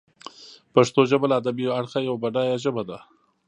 پښتو ژبه له ادبي اړخه یوه بډایه ژبه ده.